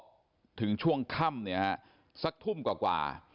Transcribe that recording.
พอถึงช่วงค่ำเนี่ยฮะสักทุ่มกว่า